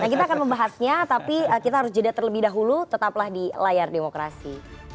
nah kita akan membahasnya tapi kita harus jeda terlebih dahulu tetaplah di layar demokrasi